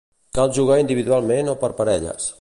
Cal jugar individualment o per parelles.